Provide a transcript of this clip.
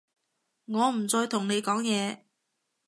我唔再同你講嘢